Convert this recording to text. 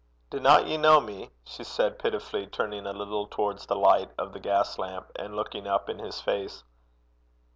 'Dinna ye ken me?' she said pitifully, turning a little towards the light of the gas lamp, and looking up in his face.